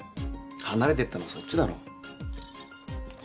離れてったのそっちだろ。